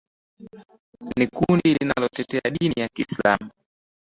ni kundi linalotetea dini ya kiislamu